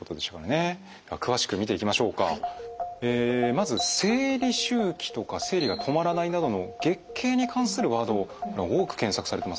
まず「生理周期」とか「生理が止まらない」などの月経に関するワードも多く検索されてますね。